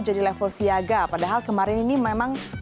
jadi level siaga padahal kemarin ini memang masih level waspada ya